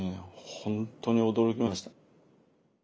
本当に驚きました。